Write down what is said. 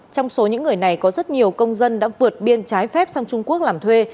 trong số những người này có rất nhiều công dân đã vượt biên trái phép sang trung quốc làm thuê